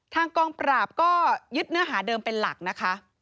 ทางกองปราบก็ยึดเนื้อหาเดิมเป็นหลักนะคะ